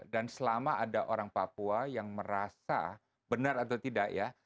dan selama ada orang papua yang merasa benar atau tidak ya